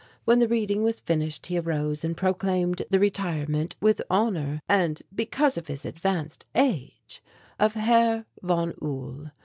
When the reading was finished he arose and proclaimed the retirement with honour, and because of his advanced age, of Herr von Uhl.